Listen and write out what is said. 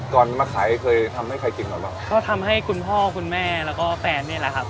มาขายเคยทำให้ใครกินก่อนบ้างก็ทำให้คุณพ่อคุณแม่แล้วก็แฟนเนี่ยแหละครับ